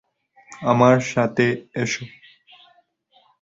আমার সাথে এসো।